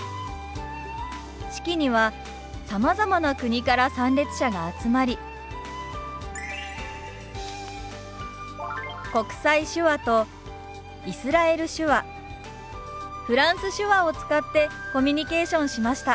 式にはさまざまな国から参列者が集まり国際手話とイスラエル手話フランス手話を使ってコミュニケーションしました。